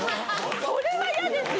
それは嫌ですよ！